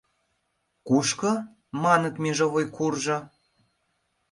— Кушко, маныт, межовой куржо?